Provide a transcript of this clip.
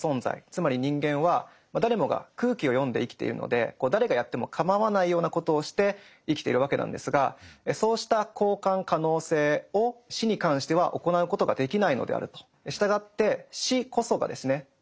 つまり人間は誰もが空気を読んで生きているので誰がやってもかまわないようなことをして生きているわけなんですがそうした交換可能性を死に関しては行うことができないのであると。